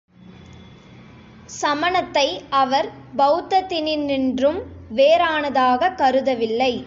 சமணத்தை அவர் பெளத்தத்தினின்றும் வேறானதாகக் கருதவில்லை.